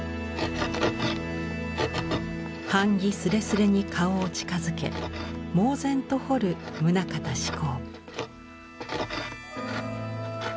版木すれすれに顔を近づけ猛然と彫る棟方志功。